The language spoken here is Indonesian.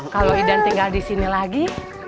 kalau idan tinggal disini lagi